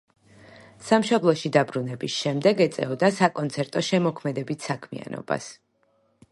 სამშობლოში დაბრუნების შემდეგ ეწეოდა საკონცერტო შემოქმედებით საქმიანობას.